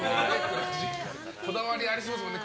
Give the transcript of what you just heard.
こだわりありそうですもんね。